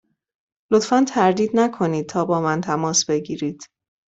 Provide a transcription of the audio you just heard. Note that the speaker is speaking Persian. لطفا تردید نکنید تا با من تماس بگیرید.